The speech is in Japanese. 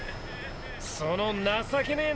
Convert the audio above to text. その情けねぇ